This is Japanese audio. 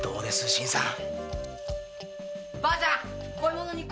新さん？